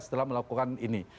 setelah melakukan ini